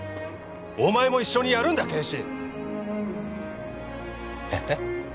お前も一緒にやるんだ啓示えっ？